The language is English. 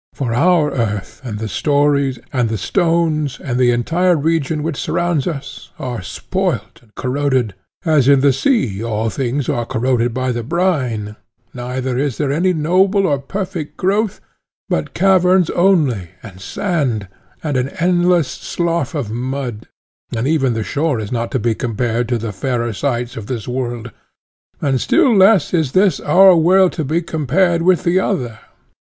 For our earth, and the stones, and the entire region which surrounds us, are spoilt and corroded, as in the sea all things are corroded by the brine, neither is there any noble or perfect growth, but caverns only, and sand, and an endless slough of mud: and even the shore is not to be compared to the fairer sights of this world. And still less is this our world to be compared with the other.